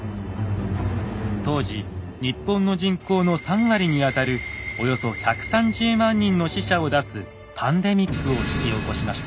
当時日本の人口の３割にあたるおよそ１３０万人の死者を出すパンデミックを引き起こしました。